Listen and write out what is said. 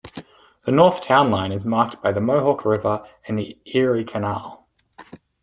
The north town line is marked by the Mohawk River and the Erie Canal.